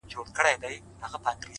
وخت د هوښیارو پانګه ده